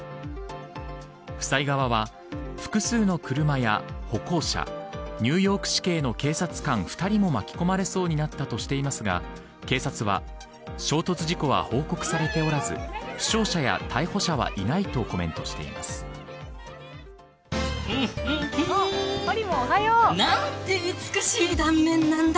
夫妻側は、複数の車や歩行者、ニューヨーク市警の警察官２人も巻き込まれそうになったとしていますが警察は衝突事故は報告されておらず負傷者や逮捕者はいないとほりもん、おはよう。なんて美しい断面なんだ